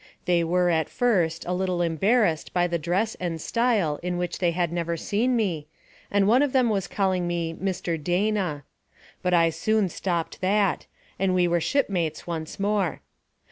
They were, at first, a little embarrassed by the dress and style in which they had never seen me, and one of them was calling me Mr. Dana; but I soon stopped that, and we were shipmates once more.